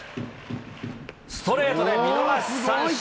ストレートで見逃し三振。